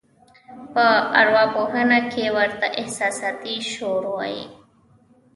په اروا پوهنه کې ورته احساساتي شور وایي.